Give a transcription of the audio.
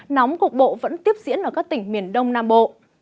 nóng cục bộ vẫn tiếp diễn ở các tỉnh miền đông nam bộ